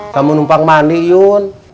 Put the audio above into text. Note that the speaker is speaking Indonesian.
kamu numpang mandi jun